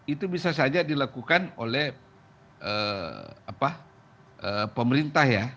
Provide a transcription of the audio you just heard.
itu bisa saja dilakukan oleh pemerintah ya